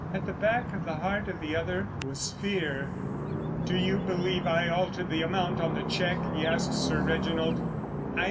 At the back of the heart of the other was fear. "Do you believe I altered the amount on the cheque?" he asked Sir Reginald.